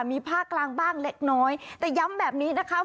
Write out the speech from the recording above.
มีภาคกลางบ้างเล็กน้อยแต่ย้ำแบบนี้นะคะ